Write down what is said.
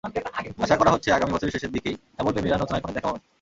আশা করা হচ্ছে, চলতি বছরের শেষের দিকেই অ্যাপল-প্রেমীরা নতুন আইফোনের দেখা পাবেন।